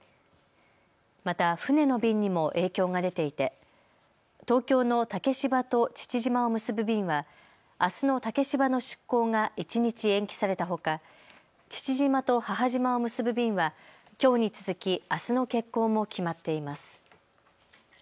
また船の便にも影響が出ていて東京の竹芝と父島を結ぶ便はあすの竹芝の出港が一日延期されたほか父島と母島を結ぶ便はきょうに続きあすの欠航も決まっています。